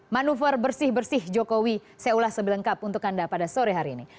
manuver bersih bersih jokowi saya ulas sebelengkap untuk anda pada sore hari ini